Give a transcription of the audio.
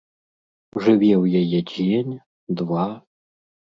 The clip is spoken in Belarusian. Жыве ў яе дзень, два.